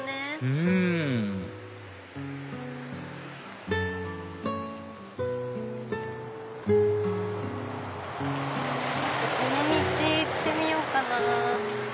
うんこの道行ってみようかな。